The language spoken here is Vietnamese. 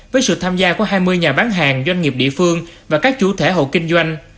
với sự tham gia của hai mươi nhà bán hàng doanh nghiệp địa phương và các chủ thể hậu kinh doanh